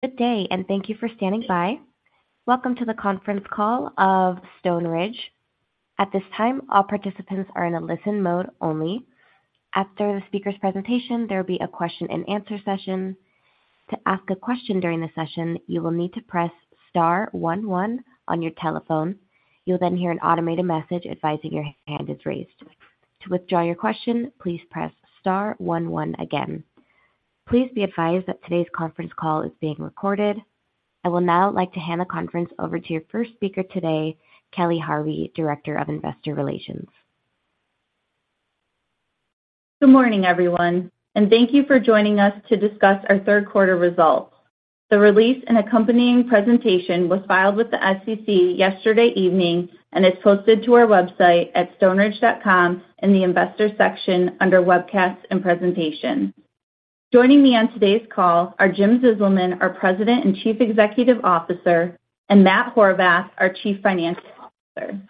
Good day, and thank you for standing by. Welcome to the conference call of Stoneridge. At this time, all participants are in a listen mode only. After the speaker's presentation, there will be a question-and-answer session. To ask a question during the session, you will need to press star one one on your telephone. You'll then hear an automated message advising your hand is raised. To withdraw your question, please press star one one again. Please be advised that today's conference call is being recorded. I will now like to hand the conference over to your first speaker today, Kelly Harvey, Director of Investor Relations. Good morning, everyone, and thank you for joining us to discuss our third quarter results. The release and accompanying presentation was filed with the SEC yesterday evening and is posted to our website at stoneridge.com in the Investor section under Webcasts and Presentation. Joining me on today's call are Jim Zizelman, our President and Chief Executive Officer, and Matt Horvath, our Chief Financial Officer.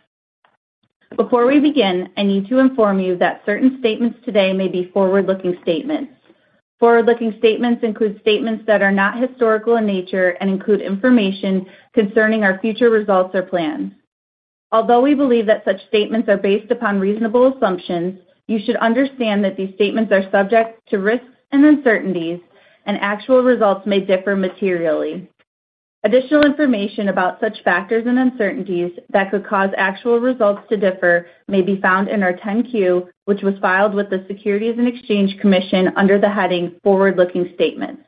Before we begin, I need to inform you that certain statements today may be forward-looking statements. Forward-looking statements include statements that are not historical in nature and include information concerning our future results or plans. Although we believe that such statements are based upon reasonable assumptions, you should understand that these statements are subject to risks and uncertainties, and actual results may differ materially. Additional information about such factors and uncertainties that could cause actual results to differ may be found in our 10-Q, which was filed with the Securities and Exchange Commission under the heading Forward-Looking Statements.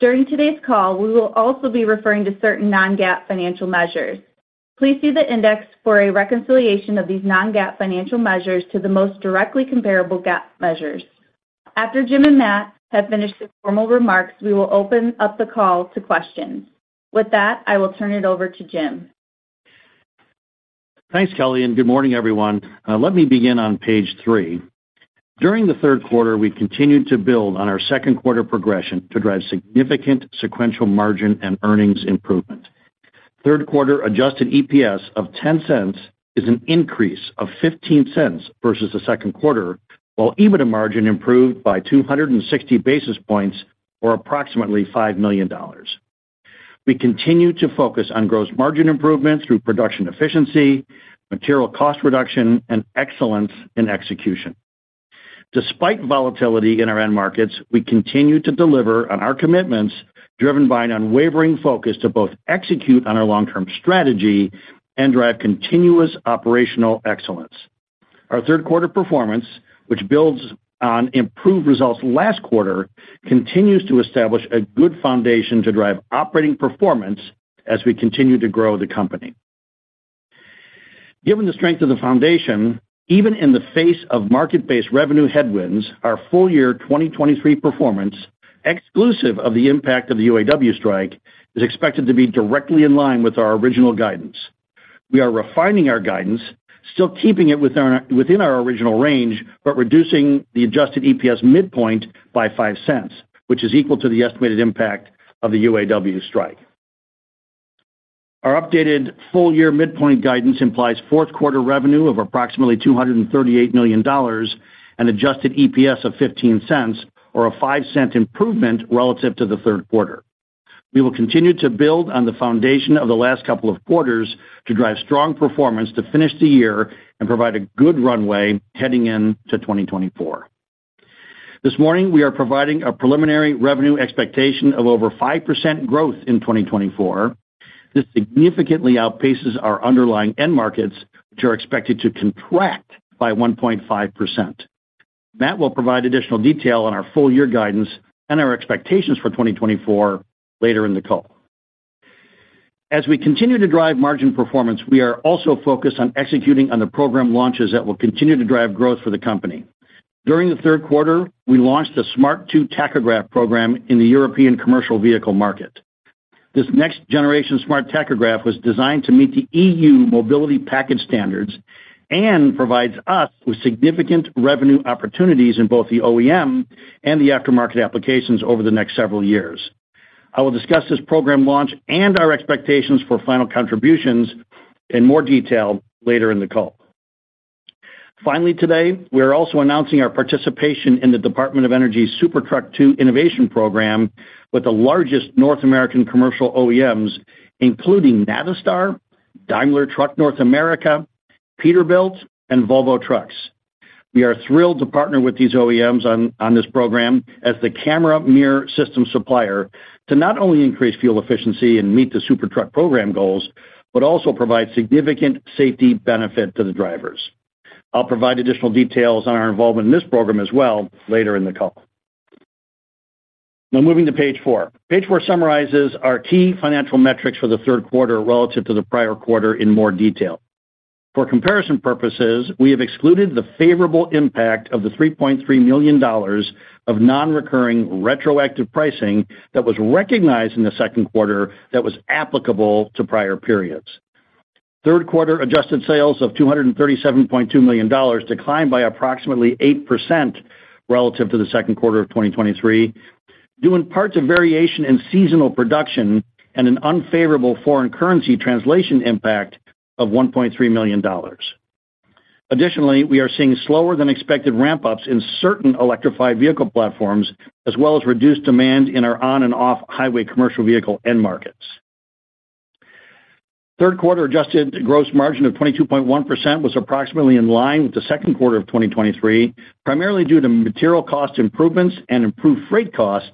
During today's call, we will also be referring to certain non-GAAP financial measures. Please see the index for a reconciliation of these non-GAAP financial measures to the most directly comparable GAAP measures. After Jim and Matt have finished their formal remarks, we will open up the call to questions. With that, I will turn it over to Jim. Thanks, Kelly, and good morning, everyone. Let me begin on page three. During the third quarter, we continued to build on our second quarter progression to drive significant sequential margin and earnings improvement. Third quarter adjusted EPS of $0.10 is an increase of $0.15 versus the second quarter, while EBITDA margin improved by 260 basis points, or approximately $5 million. We continue to focus on gross margin improvements through production efficiency, material cost reduction, and excellence in execution. Despite volatility in our end markets, we continue to deliver on our commitments, driven by an unwavering focus to both execute on our long-term strategy and drive continuous operational excellence. Our third quarter performance, which builds on improved results last quarter, continues to establish a good foundation to drive operating performance as we continue to grow the company. Given the strength of the foundation, even in the face of market-based revenue headwinds, our full-year 2023 performance, exclusive of the impact of the UAW strike, is expected to be directly in line with our original guidance. We are refining our guidance, still keeping it within our original range, but reducing the Adjusted EPS midpoint by $0.05, which is equal to the estimated impact of the UAW strike. Our updated full-year midpoint guidance implies fourth quarter revenue of approximately $238 million and an Adjusted EPS of $0.15, or a $0.05 improvement relative to the third quarter. We will continue to build on the foundation of the last couple of quarters to drive strong performance to finish the year and provide a good runway heading into 2024. This morning, we are providing a preliminary revenue expectation of over 5% growth in 2024. This significantly outpaces our underlying end markets, which are expected to contract by 1.5%. Matt will provide additional detail on our full year guidance and our expectations for 2024 later in the call. As we continue to drive margin performance, we are also focused on executing on the program launches that will continue to drive growth for the company. During the third quarter, we launched a Smart 2 tachograph program in the European commercial vehicle market. This next generation smart tachograph was designed to meet the EU Mobility Package 1 standards and provides us with significant revenue opportunities in both the OEM and the aftermarket applications over the next several years. I will discuss this program launch and our expectations for final contributions in more detail later in the call. Finally, today, we are also announcing our participation in the Department of Energy's SuperTruck II innovation program with the largest North American commercial OEMs, including Navistar, Daimler Truck North America, Peterbilt, and Volvo Trucks. We are thrilled to partner with these OEMs on this program as the camera mirror system supplier to not only increase fuel efficiency and meet the SuperTruck II program goals, but also provide significant safety benefit to the drivers. I'll provide additional details on our involvement in this program as well later in the call. Now, moving to page four. Page four summarizes our key financial metrics for the third quarter relative to the prior quarter in more detail. For comparison purposes, we have excluded the favorable impact of the $3.3 million of non-recurring retroactive pricing that was recognized in the second quarter that was applicable to prior periods. Third quarter adjusted sales of $237.2 million declined by approximately 8% relative to the second quarter of 2023, due in part to variation in seasonal production and an unfavorable foreign currency translation impact of $1.3 million. Additionally, we are seeing slower than expected ramp-ups in certain electrified vehicle platforms, as well as reduced demand in our on- and off-highway commercial vehicle end markets. Third quarter adjusted gross margin of 22.1% was approximately in line with the second quarter of 2023, primarily due to material cost improvements and improved freight costs,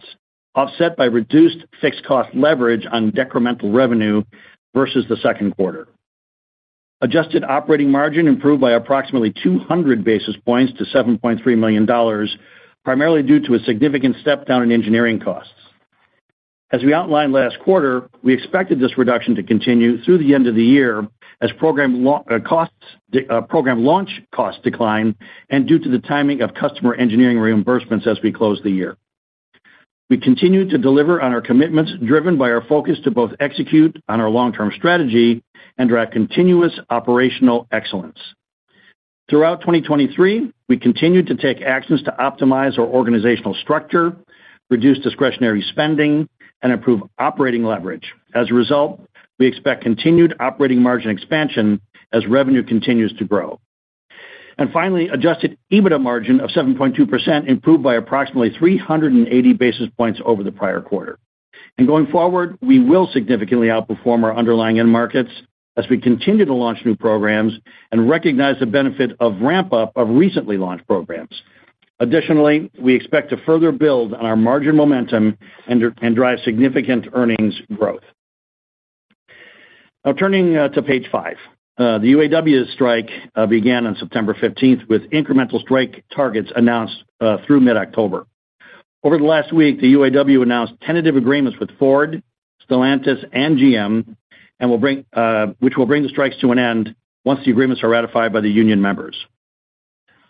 offset by reduced fixed cost leverage on decremental revenue versus the second quarter. Adjusted operating margin improved by approximately 200 basis points to $7.3 million, primarily due to a significant step down in engineering costs. As we outlined last quarter, we expected this reduction to continue through the end of the year as program launch costs decline, and due to the timing of customer engineering reimbursements as we close the year. We continue to deliver on our commitments, driven by our focus to both execute on our long-term strategy and drive continuous operational excellence. Throughout 2023, we continued to take actions to optimize our organizational structure, reduce discretionary spending, and improve operating leverage. As a result, we expect continued operating margin expansion as revenue continues to grow. And finally, Adjusted EBITDA margin of 7.2% improved by approximately 380 basis points over the prior quarter. And going forward, we will significantly outperform our underlying end markets as we continue to launch new programs and recognize the benefit of ramp-up of recently launched programs. Additionally, we expect to further build on our margin momentum and drive significant earnings growth. Now, turning to page five. The UAW strike began on September 15th, with incremental strike targets announced through mid-October. Over the last week, the UAW announced tentative agreements with Ford, Stellantis, and GM, which will bring the strikes to an end once the agreements are ratified by the union members.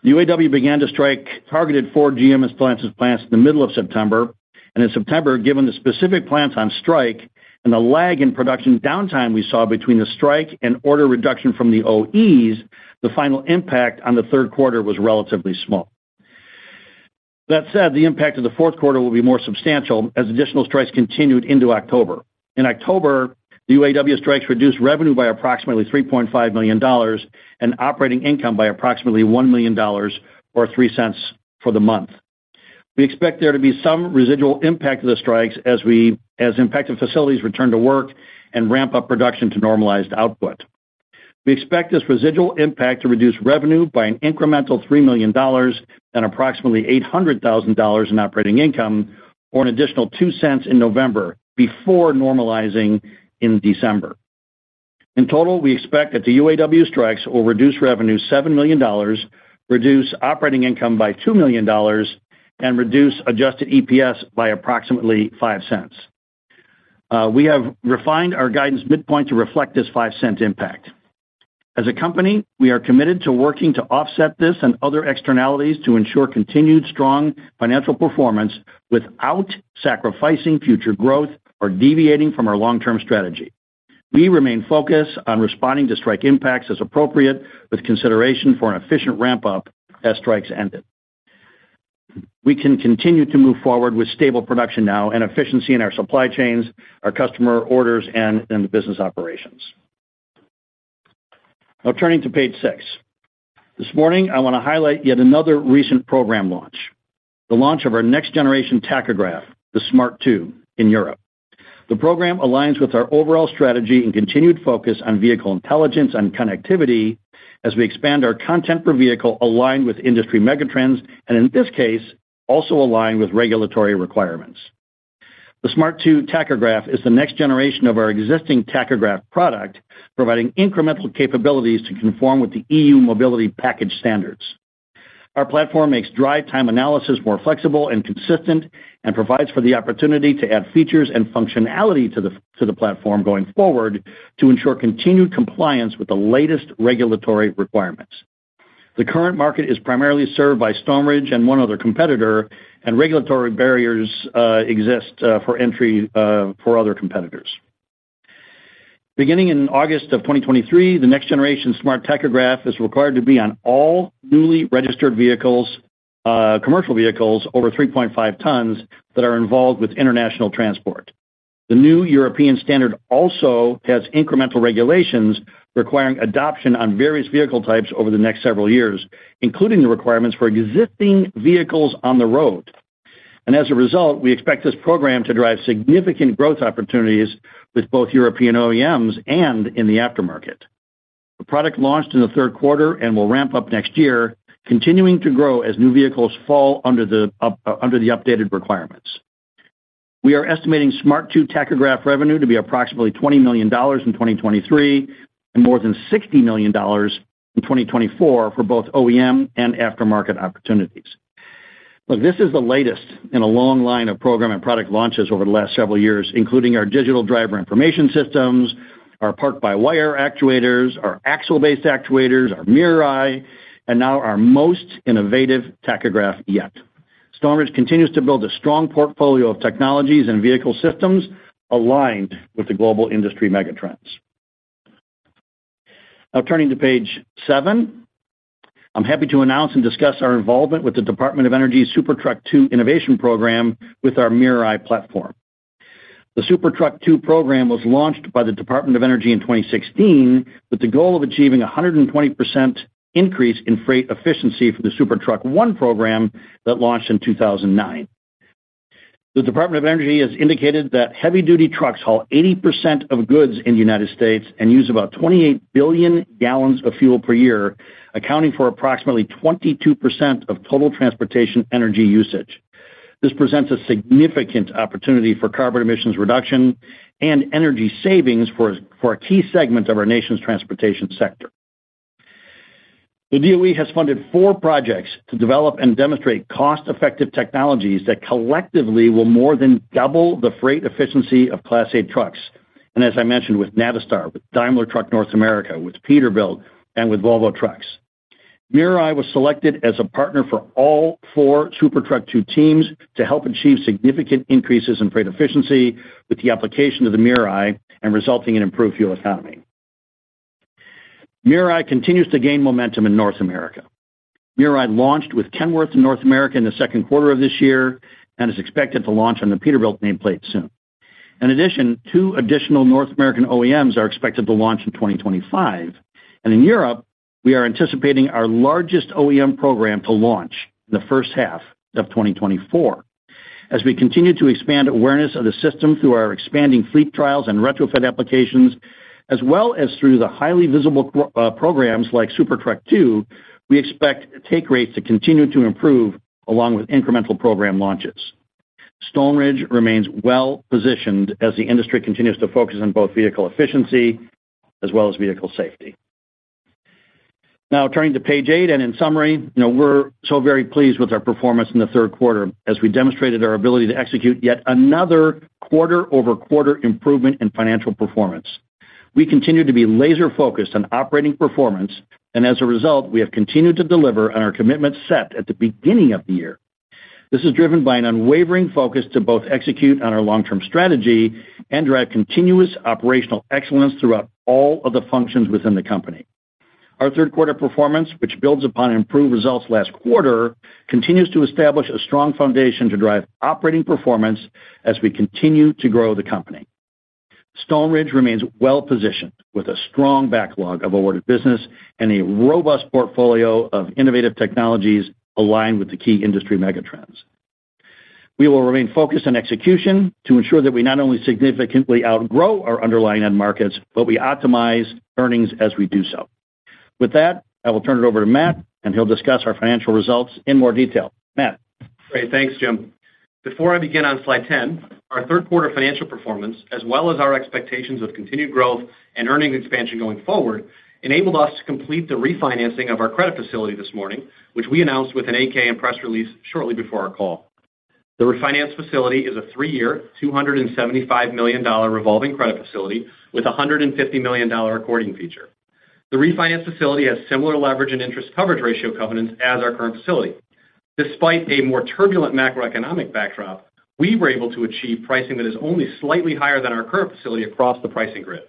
The UAW began to strike targeted Ford, GM, and Stellantis plants in the middle of September, and in September, given the specific plants on strike and the lag in production downtime we saw between the strike and order reduction from the OEs, the final impact on the third quarter was relatively small. That said, the impact of the fourth quarter will be more substantial as additional strikes continued into October. In October, the UAW strikes reduced revenue by approximately $3.5 million and operating income by approximately $1 million, or $0.03 for the month. We expect there to be some residual impact of the strikes as impacted facilities return to work and ramp up production to normalized output. We expect this residual impact to reduce revenue by an incremental $3 million and approximately $800,000 in operating income, or an additional $0.02 in November, before normalizing in December. In total, we expect that the UAW strikes will reduce revenue $7 million, reduce operating income by $2 million, and reduce adjusted EPS by approximately $0.05. We have refined our guidance midpoint to reflect this $0.05 impact. As a company, we are committed to working to offset this and other externalities to ensure continued strong financial performance without sacrificing future growth or deviating from our long-term strategy. We remain focused on responding to strike impacts as appropriate, with consideration for an efficient ramp-up as strikes ended. We can continue to move forward with stable production now and efficiency in our supply chains, our customer orders, and in the business operations. Now, turning to page six. This morning, I want to highlight yet another recent program launch, the launch of our next generation tachograph, the Smart 2, in Europe. The program aligns with our overall strategy and continued focus on vehicle intelligence and connectivity as we expand our content per vehicle aligned with industry megatrends, and in this case, also aligned with regulatory requirements. The Smart 2 tachograph is the next generation of our existing tachograph product, providing incremental capabilities to conform with the EU Mobility Package 1 standards. Our platform makes drive time analysis more flexible and consistent and provides for the opportunity to add features and functionality to the, to the platform going forward to ensure continued compliance with the latest regulatory requirements. The current market is primarily served by Stoneridge and one other competitor, and regulatory barriers exist for entry for other competitors. Beginning in August of 2023, the next generation Smart tachograph is required to be on all newly registered vehicles, commercial vehicles over 3.5 tons that are involved with international transport. The new European standard also has incremental regulations requiring adoption on various vehicle types over the next several years, including the requirements for existing vehicles on the road. And as a result, we expect this program to drive significant growth opportunities with both European OEMs and in the aftermarket. The product launched in the third quarter and will ramp up next year, continuing to grow as new vehicles fall under the updated requirements. We are estimating Smart 2 tachograph revenue to be approximately $20 million in 2023, and more than $60 million in 2024 for both OEM and aftermarket opportunities. Look, this is the latest in a long line of program and product launches over the last several years, including our digital driver information systems, our park-by-wire actuators, our axle-based actuators, our MirrorEye, and now our most innovative tachograph yet. Stoneridge continues to build a strong portfolio of technologies and vehicle systems aligned with the global industry megatrends. Now turning to page seven, I'm happy to announce and discuss our involvement with the Department of Energy's SuperTruck II innovation program with our MirrorEye platform. The SuperTruck II program was launched by the Department of Energy in 2016, with the goal of achieving a 120% increase in freight efficiency for the SuperTruck I program that launched in 2009. The Department of Energy has indicated that heavy-duty trucks haul 80% of goods in the United States and use about 28 billion gallons of fuel per year, accounting for approximately 22% of total transportation energy usage. This presents a significant opportunity for carbon emissions reduction and energy savings for a key segment of our nation's transportation sector. The DOE has funded four projects to develop and demonstrate cost-effective technologies that collectively will more than double the freight efficiency of Class 8 trucks, and as I mentioned, with Navistar, with Daimler Truck North America, with Peterbilt, and with Volvo Trucks. MirrorEye was selected as a partner for all four SuperTruck II teams to help achieve significant increases in freight efficiency, with the application of the MirrorEye and resulting in improved fuel economy. MirrorEye continues to gain momentum in North America. MirrorEye launched with Kenworth in North America in the second quarter of this year and is expected to launch on the Peterbilt nameplate soon. In addition, two additional North American OEMs are expected to launch in 2025, and in Europe, we are anticipating our largest OEM program to launch in the first half of 2024. As we continue to expand awareness of the system through our expanding fleet trials and retrofit applications, as well as through the highly visible programs like SuperTruck II, we expect take rates to continue to improve along with incremental program launches. Stoneridge remains well-positioned as the industry continues to focus on both vehicle efficiency as well as vehicle safety. Now turning to page eight, and in summary, you know, we're so very pleased with our performance in the third quarter as we demonstrated our ability to execute yet another quarter-over-quarter improvement in financial performance. We continue to be laser-focused on operating performance, and as a result, we have continued to deliver on our commitment set at the beginning of the year. This is driven by an unwavering focus to both execute on our long-term strategy and drive continuous operational excellence throughout all of the functions within the company. Our third quarter performance, which builds upon improved results last quarter, continues to establish a strong foundation to drive operating performance as we continue to grow the company. Stoneridge remains well-positioned, with a strong backlog of awarded business and a robust portfolio of innovative technologies aligned with the key industry megatrends. We will remain focused on execution to ensure that we not only significantly outgrow our underlying end markets, but we optimize earnings as we do so. With that, I will turn it over to Matt, and he'll discuss our financial results in more detail. Matt? Great. Thanks, Jim. Before I begin on slide 10, our third quarter financial performance, as well as our expectations of continued growth and earnings expansion going forward, enabled us to complete the refinancing of our credit facility this morning, which we announced with an 8-K and press release shortly before our call. The refinance facility is a three-year, $275 million revolving credit facility with a $150 million accordion feature. The refinance facility has similar leverage and interest coverage ratio covenants as our current facility. Despite a more turbulent macroeconomic backdrop, we were able to achieve pricing that is only slightly higher than our current facility across the pricing grid.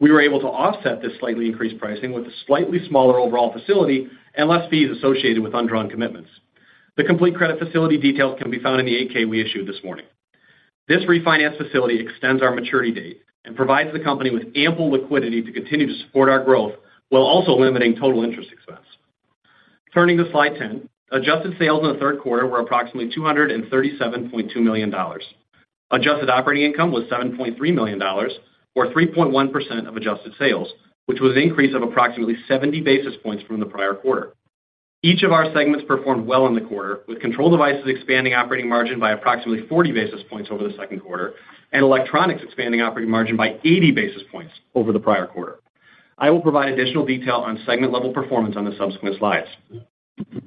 We were able to offset this slightly increased pricing with a slightly smaller overall facility and less fees associated with undrawn commitments. The complete credit facility details can be found in the 8-K we issued this morning. This refinance facility extends our maturity date and provides the company with ample liquidity to continue to support our growth, while also limiting total interest expense. Turning to slide 10, adjusted sales in the third quarter were approximately $237.2 million. Adjusted operating income was $7.3 million, or 3.1% of adjusted sales, which was an increase of approximately 70 basis points from the prior quarter. Each of our segments performed well in the quarter, with control devices expanding operating margin by approximately 40 basis points over the second quarter, and electronics expanding operating margin by 80 basis points over the prior quarter. I will provide additional detail on segment-level performance on the subsequent slides.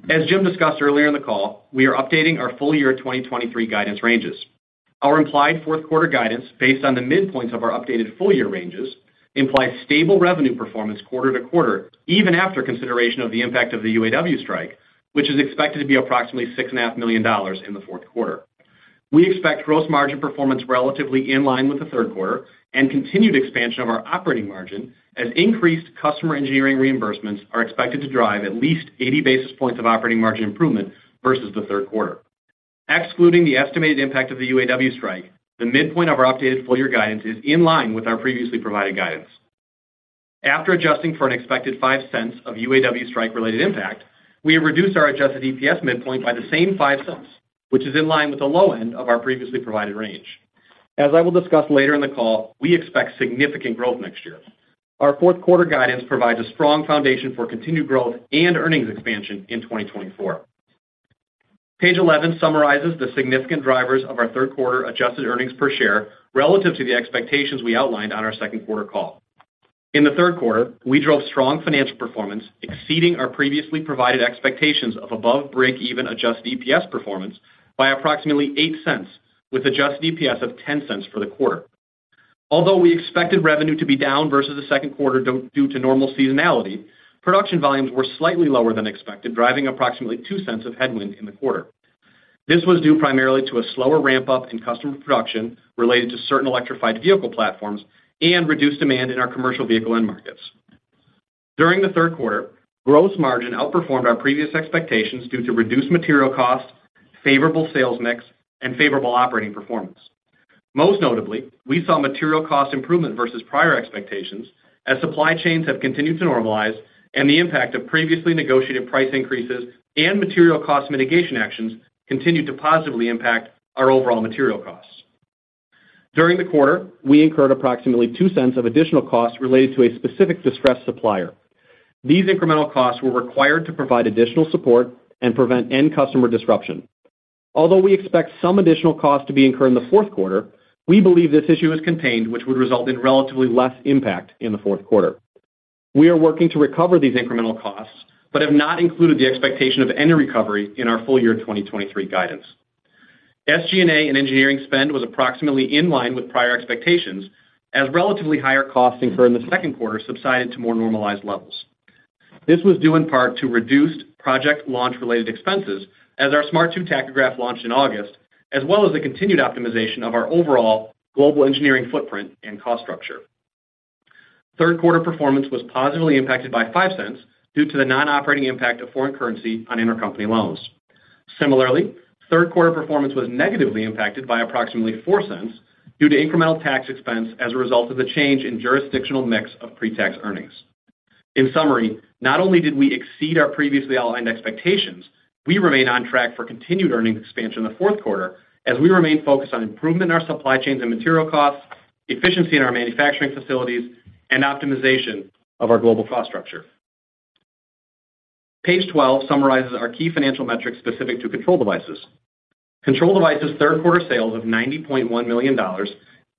As Jim discussed earlier in the call, we are updating our full year 2023 guidance ranges. Our implied fourth quarter guidance, based on the midpoints of our updated full year ranges, implies stable revenue performance quarter to quarter, even after consideration of the impact of the UAW strike, which is expected to be approximately $6.5 million in the fourth quarter. We expect gross margin performance relatively in line with the third quarter and continued expansion of our operating margin, as increased customer engineering reimbursements are expected to drive at least 80 basis points of operating margin improvement versus the third quarter. Excluding the estimated impact of the UAW strike, the midpoint of our updated full year guidance is in line with our previously provided guidance. After adjusting for an expected $0.05 of UAW strike-related impact, we have reduced our adjusted EPS midpoint by the same $0.05, which is in line with the low end of our previously provided range. As I will discuss later in the call, we expect significant growth next year. Our fourth quarter guidance provides a strong foundation for continued growth and earnings expansion in 2024. Page 11 summarizes the significant drivers of our third quarter adjusted earnings per share relative to the expectations we outlined on our second quarter call. In the third quarter, we drove strong financial performance, exceeding our previously provided expectations of above break-even adjusted EPS performance by approximately $0.08, with adjusted EPS of $0.10 for the quarter. Although we expected revenue to be down versus the second quarter due to normal seasonality, production volumes were slightly lower than expected, driving approximately $0.02 of headwind in the quarter. This was due primarily to a slower ramp-up in customer production related to certain electrified vehicle platforms and reduced demand in our commercial vehicle end markets. During the third quarter, gross margin outperformed our previous expectations due to reduced material costs, favorable sales mix, and favorable operating performance. Most notably, we saw material cost improvement versus prior expectations as supply chains have continued to normalize and the impact of previously negotiated price increases and material cost mitigation actions continued to positively impact our overall material costs. During the quarter, we incurred approximately $0.02 of additional costs related to a specific distressed supplier. These incremental costs were required to provide additional support and prevent end customer disruption. Although we expect some additional costs to be incurred in the fourth quarter, we believe this issue is contained, which would result in relatively less impact in the fourth quarter. We are working to recover these incremental costs, but have not included the expectation of any recovery in our full year 2023 guidance. SG&A and engineering spend was approximately in line with prior expectations, as relatively higher costs incurred in the second quarter subsided to more normalized levels. This was due in part to reduced project launch related expenses as our Smart 2 tachograph launched in August, as well as the continued optimization of our overall global engineering footprint and cost structure. Third quarter performance was positively impacted by $0.05 due to the non-operating impact of foreign currency on intercompany loans. Similarly, third quarter performance was negatively impacted by approximately $0.04 due to incremental tax expense as a result of the change in jurisdictional mix of pre-tax earnings. In summary, not only did we exceed our previously outlined expectations, we remain on track for continued earnings expansion in the fourth quarter as we remain focused on improving our supply chains and material costs, efficiency in our manufacturing facilities, and optimization of our global cost structure. Page 12 summarizes our key financial metrics specific to control devices. Control devices third quarter sales of $90.1 million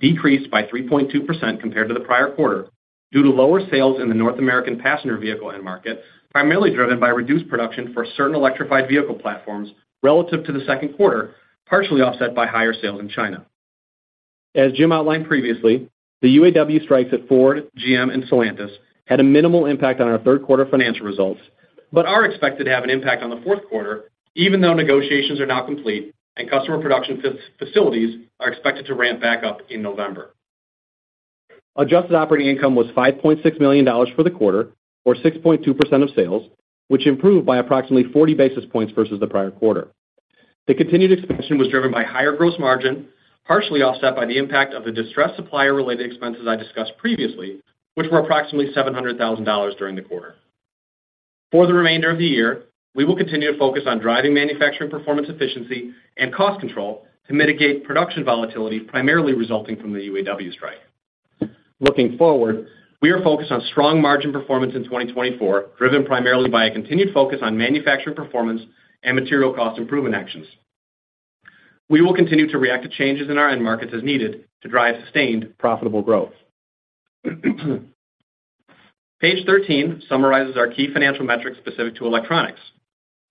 decreased by 3.2% compared to the prior quarter due to lower sales in the North American passenger vehicle end market, primarily driven by reduced production for certain electrified vehicle platforms relative to the second quarter, partially offset by higher sales in China. As Jim outlined previously, the UAW strikes at Ford, GM, and Stellantis had a minimal impact on our third quarter financial results, but are expected to have an impact on the fourth quarter, even though negotiations are now complete and customer production facilities are expected to ramp back up in November. Adjusted operating income was $5.6 million for the quarter, or 6.2% of sales, which improved by approximately 40 basis points versus the prior quarter. The continued expansion was driven by higher gross margin, partially offset by the impact of the distressed supplier-related expenses I discussed previously, which were approximately $700,000 during the quarter. For the remainder of the year, we will continue to focus on driving manufacturing, performance, efficiency, and cost control to mitigate production volatility, primarily resulting from the UAW strike. Looking forward, we are focused on strong margin performance in 2024, driven primarily by a continued focus on manufacturing performance and material cost improvement actions. We will continue to react to changes in our end markets as needed to drive sustained, profitable growth. Page 13 summarizes our key financial metrics specific to electronics.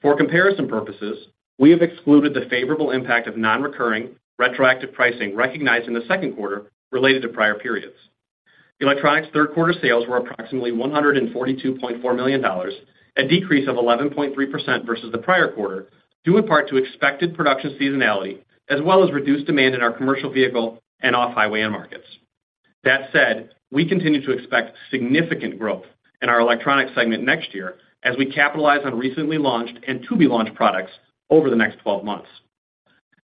For comparison purposes, we have excluded the favorable impact of non-recurring, retroactive pricing recognized in the second quarter related to prior periods. Electronics third quarter sales were approximately $142.4 million, a decrease of 11.3% versus the prior quarter, due in part to expected production seasonality, as well as reduced demand in our commercial vehicle and off-highway end markets. That said, we continue to expect significant growth in our electronics segment next year as we capitalize on recently launched and to-be-launched products over the next 12 months.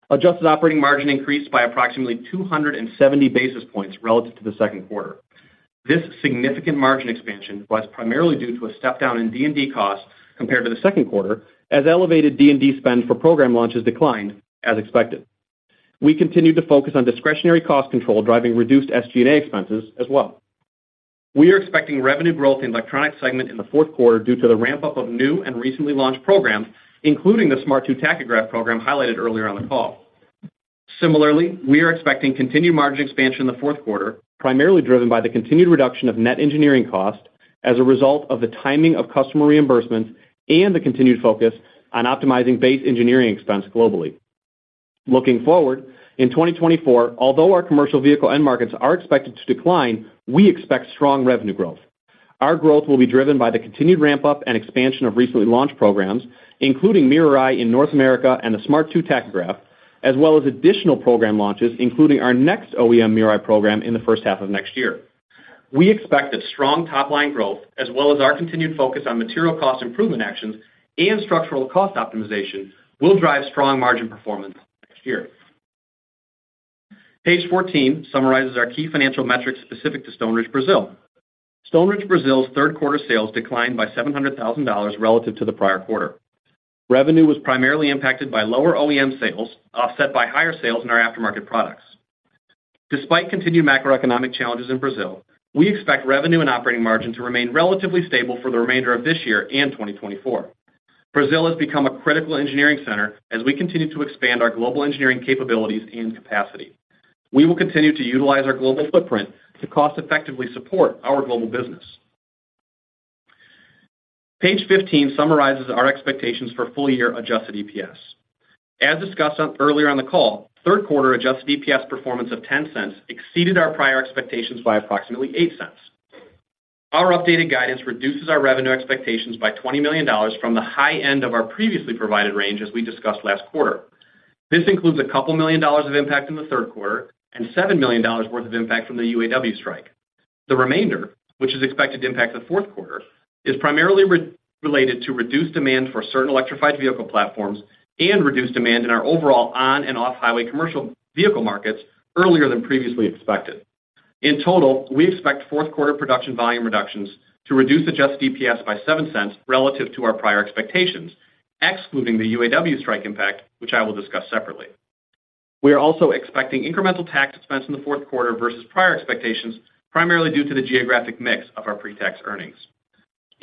Adjusted operating margin increased by approximately 270 basis points relative to the second quarter. This significant margin expansion was primarily due to a step down in D&D costs compared to the second quarter, as elevated D&D spend for program launches declined, as expected. We continued to focus on discretionary cost control, driving reduced SG&A expenses as well. We are expecting revenue growth in electronics segment in the fourth quarter due to the ramp-up of new and recently launched programs, including the Smart 2 tachograph program highlighted earlier on the call. Similarly, we are expecting continued margin expansion in the fourth quarter, primarily driven by the continued reduction of net engineering costs as a result of the timing of customer reimbursements and the continued focus on optimizing base engineering expense globally. Looking forward, in 2024, although our commercial vehicle end markets are expected to decline, we expect strong revenue growth. Our growth will be driven by the continued ramp-up and expansion of recently launched programs, including MirrorEye in North America and the Smart 2 tachograph, as well as additional program launches, including our next OEM MirrorEye program in the first half of next year. We expect that strong top-line growth, as well as our continued focus on material cost improvement actions and structural cost optimization, will drive strong margin performance next year. Page 14 summarizes our key financial metrics specific to Stoneridge Brazil. Stoneridge Brazil's third quarter sales declined by $700,000 relative to the prior quarter. Revenue was primarily impacted by lower OEM sales, offset by higher sales in our aftermarket products. Despite continued macroeconomic challenges in Brazil, we expect revenue and operating margin to remain relatively stable for the remainder of this year and 2024. Brazil has become a critical engineering center as we continue to expand our global engineering capabilities and capacity. We will continue to utilize our global footprint to cost effectively support our global business. Page 15 summarizes our expectations for full year adjusted EPS. As discussed earlier on the call, third quarter adjusted EPS performance of $0.10 exceeded our prior expectations by approximately $0.08. Our updated guidance reduces our revenue expectations by $20 million from the high end of our previously provided range, as we discussed last quarter. This includes a couple million dollars of impact in the third quarter and $7 million worth of impact from the UAW strike. The remainder, which is expected to impact the fourth quarter, is primarily related to reduced demand for certain electrified vehicle platforms and reduced demand in our overall on and off highway commercial vehicle markets earlier than previously expected. In total, we expect fourth quarter production volume reductions to reduce Adjusted EPS by $0.07 relative to our prior expectations, excluding the UAW strike impact, which I will discuss separately. We are also expecting incremental tax expense in the fourth quarter versus prior expectations, primarily due to the geographic mix of our pre-tax earnings.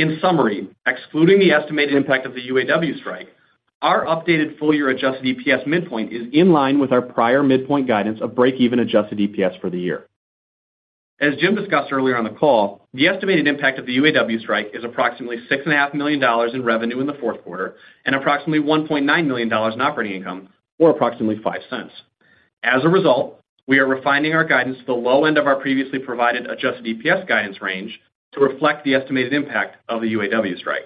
In summary, excluding the estimated impact of the UAW strike, our updated full year Adjusted EPS midpoint is in line with our prior midpoint guidance of break-even Adjusted EPS for the year. As Jim discussed earlier on the call, the estimated impact of the UAW strike is approximately $6.5 million in revenue in the fourth quarter and approximately $1.9 million in operating income, or approximately $0.05. As a result, we are refining our guidance to the low end of our previously provided adjusted EPS guidance range to reflect the estimated impact of the UAW strike.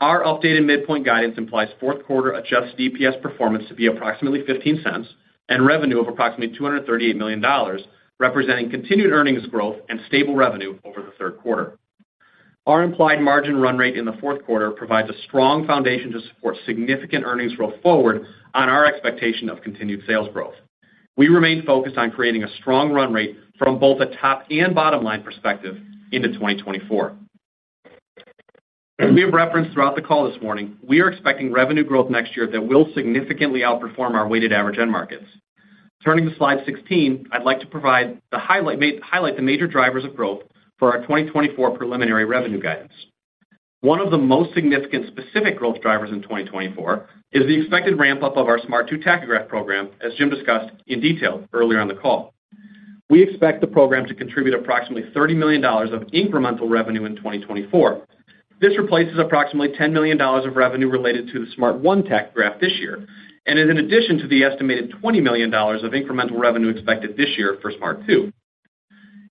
Our updated midpoint guidance implies fourth quarter adjusted EPS performance to be approximately $0.15 and revenue of approximately $238 million, representing continued earnings growth and stable revenue over the third quarter. Our implied margin run rate in the fourth quarter provides a strong foundation to support significant earnings growth forward on our expectation of continued sales growth. We remain focused on creating a strong run rate from both a top-and bottom-line perspective into 2024. As we have referenced throughout the call this morning, we are expecting revenue growth next year that will significantly outperform our weighted average end markets. Turning to slide 16, I'd like to highlight the major drivers of growth for our 2024 preliminary revenue guidance. One of the most significant specific growth drivers in 2024 is the expected ramp-up of our Smart 2 tachograph program, as Jim discussed in detail earlier on the call. We expect the program to contribute approximately $30 million of incremental revenue in 2024. This replaces approximately $10 million of revenue related to the Smart 1 tachograph this year, and is in addition to the estimated $20 million of incremental revenue expected this year for Smart 2.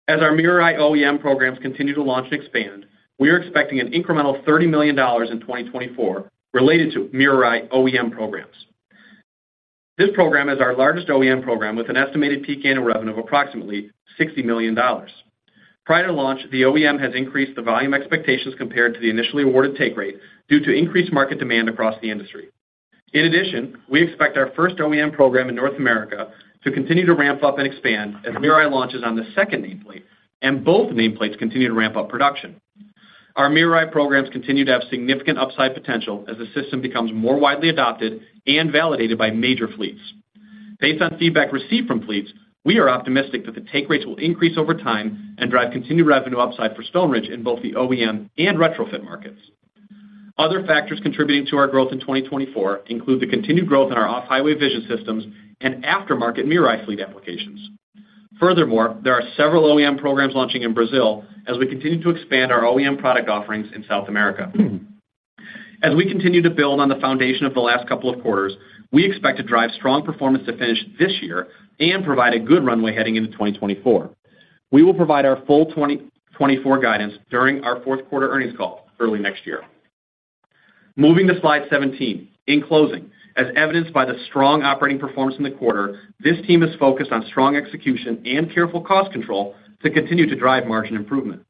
As our MirrorEye OEM programs continue to launch and expand, we are expecting an incremental $30 million in 2024 related to MirrorEye OEM programs. This program is our largest OEM program, with an estimated peak annual revenue of approximately $60 million. Prior to launch, the OEM has increased the volume expectations compared to the initially awarded take rate due to increased market demand across the industry. In addition, we expect our first OEM program in North America to continue to ramp up and expand as MirrorEye launches on the second nameplate, and both nameplates continue to ramp up production. Our MirrorEye programs continue to have significant upside potential as the system becomes more widely adopted and validated by major fleets. Based on feedback received from fleets, we are optimistic that the take rates will increase over time and drive continued revenue upside for Stoneridge in both the OEM and retrofit markets. Other factors contributing to our growth in 2024 include the continued growth in our off-highway vision systems and aftermarket MirrorEye fleet applications. Furthermore, there are several OEM programs launching in Brazil as we continue to expand our OEM product offerings in South America. As we continue to build on the foundation of the last couple of quarters, we expect to drive strong performance to finish this year and provide a good runway heading into 2024. We will provide our full 2024 guidance during our fourth quarter earnings call early next year. Moving to slide 17. In closing, as evidenced by the strong operating performance in the quarter, this team is focused on strong execution and careful cost control to continue to drive margin improvement.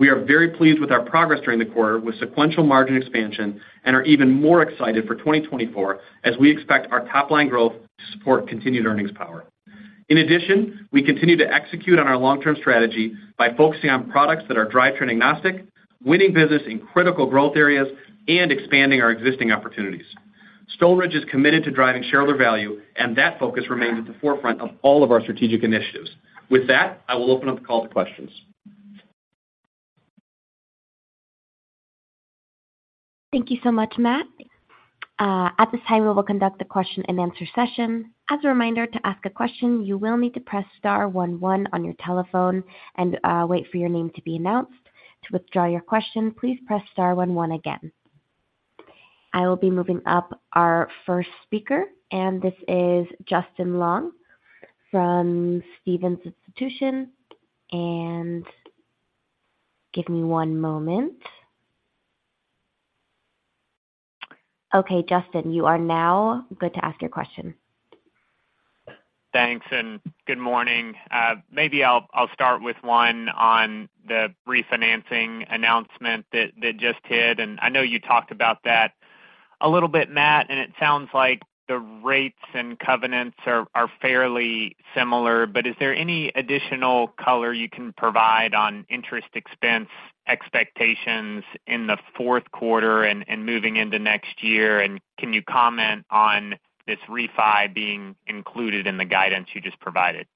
We are very pleased with our progress during the quarter, with sequential margin expansion, and are even more excited for 2024, as we expect our top-line growth to support continued earnings power. In addition, we continue to execute on our long-term strategy by focusing on products that are drivetrain-agnostic, winning business in critical growth areas, and expanding our existing opportunities. Stoneridge is committed to driving shareholder value, and that focus remains at the forefront of all of our strategic initiatives. With that, I will open up the call to questions. Thank you so much, Matt. At this time, we will conduct the question-and-answer session. As a reminder, to ask a question, you will need to press star one, one on your telephone and wait for your name to be announced. To withdraw your question, please press star one, one again. I will be moving up our first speaker, and this is Justin Long from Stephens Inc. Give me one moment. Okay, Justin, you are now good to ask your question. Thanks, and good morning. Maybe I'll start with one on the refinancing announcement that just hit, and I know you talked about that a little bit, Matt, and it sounds like the rates and covenants are fairly similar. But is there any additional color you can provide on interest expense expectations in the fourth quarter and moving into next year? And can you comment on this refi being included in the guidance you just provided?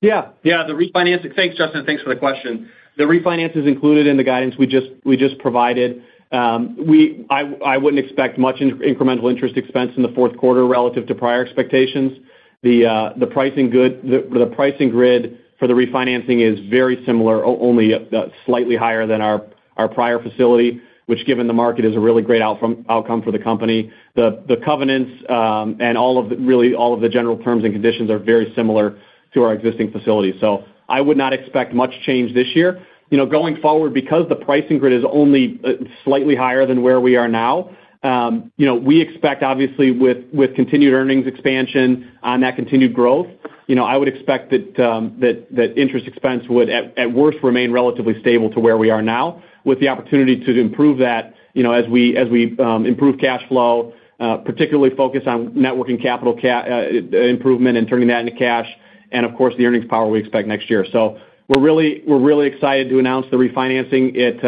Yeah. Yeah. The refinancing. Thanks, Justin. Thanks for the question. The refinance is included in the guidance we just provided. We wouldn't expect much incremental interest expense in the fourth quarter relative to prior expectations. The pricing grid for the refinancing is very similar, only slightly higher than our prior facility, which, given the market, is a really great outcome for the company. The covenants and all of the general terms and conditions are very similar to our existing facilities, so I would not expect much change this year. You know, going forward, because the pricing grid is only slightly higher than where we are now, you know, we expect, obviously, with continued earnings expansion on that continued growth. You know, I would expect that that interest expense would at worst remain relatively stable to where we are now, with the opportunity to improve that, you know, as we improve cash flow, particularly focus on net working capital improvement and turning that into cash, and of course, the earnings power we expect next year. So we're really, we're really excited to announce the refinancing. It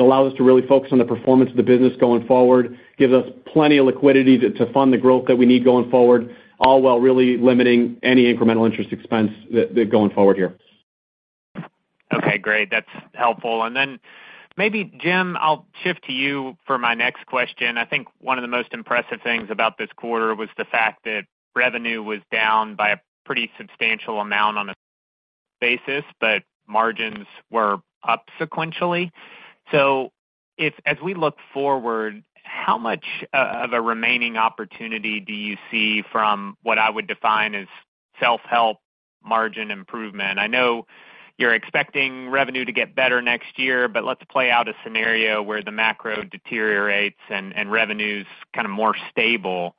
allows us to really focus on the performance of the business going forward, gives us plenty of liquidity to fund the growth that we need going forward, all while really limiting any incremental interest expense that going forward here. Okay, great. That's helpful. And then maybe, Jim, I'll shift to you for my next question. I think one of the most impressive things about this quarter was the fact that revenue was down by a pretty substantial amount on a basis, but margins were up sequentially. So if as we look forward, how much of a remaining opportunity do you see from what I would define as self-help margin improvement? I know you're expecting revenue to get better next year, but let's play out a scenario where the macro deteriorates and revenue's kind of more stable.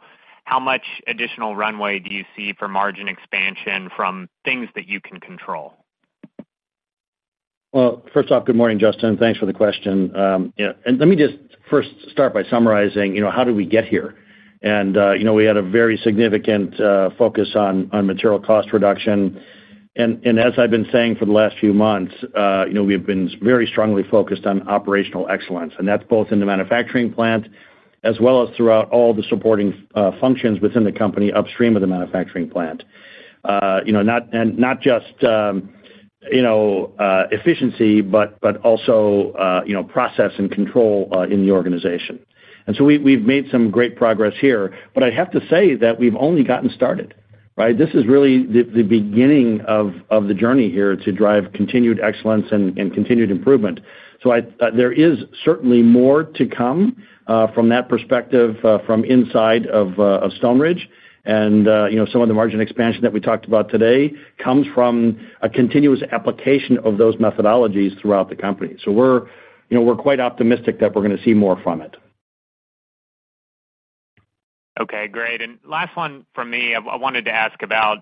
How much additional runway do you see for margin expansion from things that you can control? Well, first off, good morning, Justin. Thanks for the question. Yeah, and let me just first start by summarizing, you know, how did we get here? And you know, we had a very significant focus on material cost reduction. And as I've been saying for the last few months, you know, we've been very strongly focused on operational excellence, and that's both in the manufacturing plant as well as throughout all the supporting functions within the company, upstream of the manufacturing plant. You know, not just efficiency, but also process and control in the organization. And so we, we've made some great progress here, but I'd have to say that we've only gotten started, right? This is really the beginning of the journey here to drive continued excellence and continued improvement. So there is certainly more to come from that perspective, from inside of Stoneridge. And you know, some of the margin expansion that we talked about today comes from a continuous application of those methodologies throughout the company. So we're, you know, we're quite optimistic that we're gonna see more from it. Okay, great. And last one from me. I wanted to ask about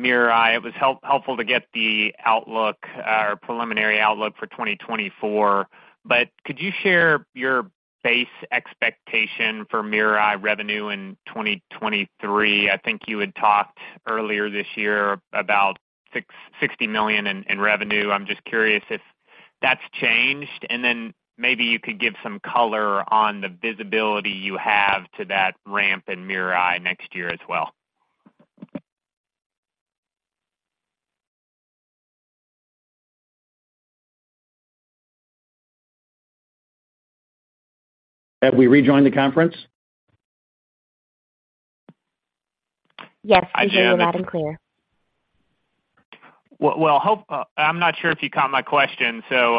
MirrorEye. It was helpful to get the outlook or preliminary outlook for 2024, but could you share your base expectation for MirrorEye revenue in 2023? I think you had talked earlier this year about $60 million in revenue. I'm just curious if that's changed, and then maybe you could give some color on the visibility you have to that ramp in MirrorEye next year as well. Have we rejoined the conference? Yes, we hear you loud and clear. Well, well, hope... I'm not sure if you caught my question, so,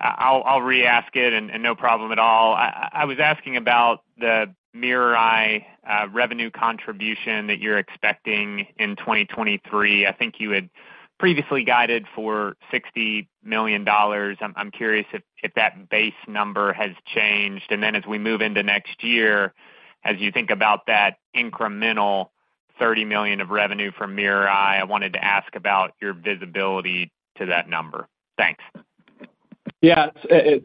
I'll re-ask it, and no problem at all. I was asking about the MirrorEye revenue contribution that you're expecting in 2023. I think you had previously guided for $60 million. I'm curious if that base number has changed. And then as we move into next year, as you think about that incremental $30 million of revenue from MirrorEye, I wanted to ask about your visibility to that number. Thanks. Yeah,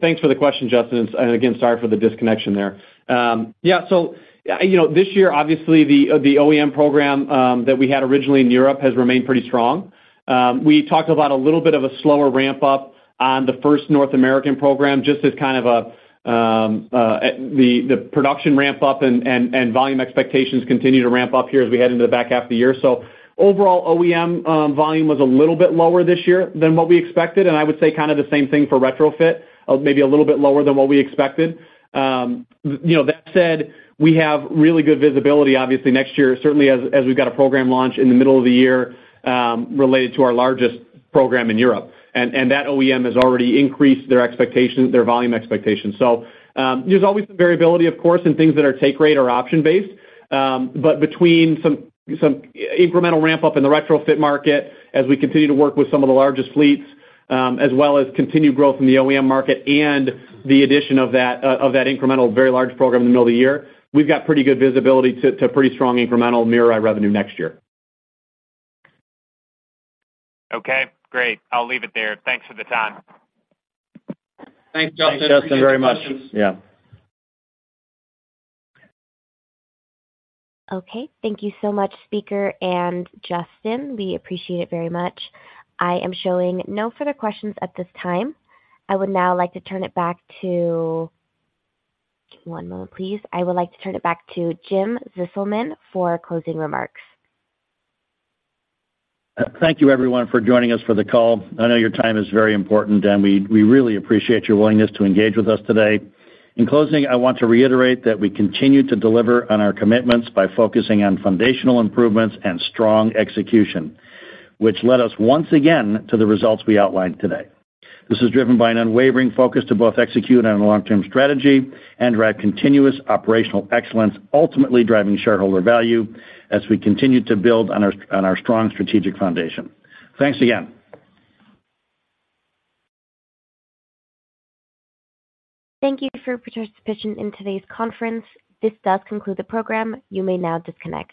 thanks for the question, Justin, and again, sorry for the disconnection there. Yeah, so, you know, this year, obviously, the OEM program that we had originally in Europe has remained pretty strong. We talked about a little bit of a slower ramp-up on the first North American program, just as kind of a the production ramp-up and volume expectations continue to ramp up here as we head into the back half of the year. So overall, OEM volume was a little bit lower this year than what we expected, and I would say kind of the same thing for retrofit, maybe a little bit lower than what we expected. You know, that said, we have really good visibility, obviously, next year, certainly as we've got a program launch in the middle of the year, related to our largest program in Europe. And that OEM has already increased their expectations, their volume expectations. So, there's always some variability, of course, in things that are take rate or option-based. But between some incremental ramp-up in the retrofit market as we continue to work with some of the largest fleets, as well as continued growth in the OEM market and the addition of that incremental, very large program in the middle of the year, we've got pretty good visibility to pretty strong incremental MirrorEye revenue next year. Okay, great. I'll leave it there. Thanks for the time. Thanks, Justin, very much. Thanks, Justin. Yeah. Okay. Thank you so much, speaker and Justin. We appreciate it very much. I am showing no further questions at this time. I would now like to turn it back to... One moment, please. I would like to turn it back to Jim Zizelman for closing remarks. Thank you, everyone, for joining us for the call. I know your time is very important, and we really appreciate your willingness to engage with us today. In closing, I want to reiterate that we continue to deliver on our commitments by focusing on foundational improvements and strong execution, which led us once again to the results we outlined today. This is driven by an unwavering focus to both execute on a long-term strategy and drive continuous operational excellence, ultimately driving shareholder value as we continue to build on our strong strategic foundation. Thanks again. Thank you for your participation in today's conference. This does conclude the program. You may now disconnect.